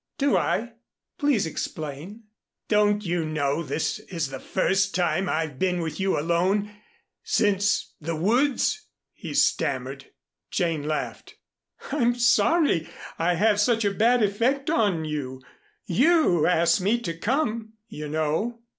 "Do I? Please explain." "Don't you know, this is the first time I've been with you alone since the woods?" he stammered. Jane laughed. "I'm sorry I have such a bad effect on you. You asked me to come, you know."